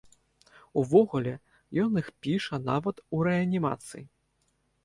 Увогуле, ён іх піша нават у рэанімацыі!